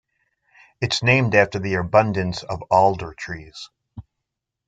It's named after the abundance of Alder Trees.